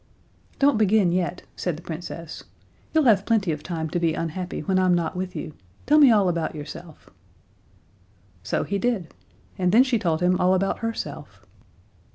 "Don't begin yet," said the Princess. "You'll have plenty of time to be unhappy when I'm not with you. Tell me all about yourself." So he did. And then she told him all about herself.